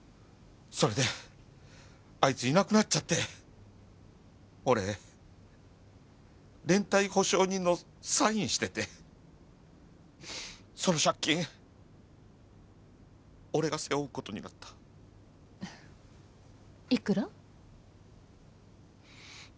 それであいついなくなっちゃって俺連帯保証人のサインしててその借金俺が背負うことになったいくら？